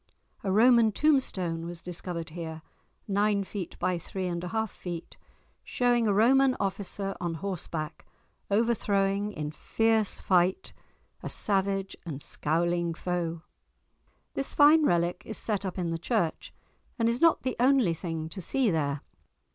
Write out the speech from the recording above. A Roman tombstone was discovered here, nine feet by three and a half feet, showing a Roman officer on horseback, overthrowing in fierce fight a savage and scowling foe. This fine relic is set up in the church, and is not the only thing to see there.